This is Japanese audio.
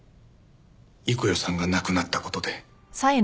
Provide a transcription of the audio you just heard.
幾代さんが亡くなった事で。